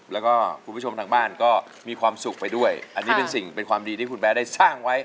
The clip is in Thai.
แล้วก็คุณผู้ชมทางบ้านก็มีความสุขไปด้วยอันนี้เป็นสิ่งเป็นความดีที่คุณแบร์ได้สร้างไว้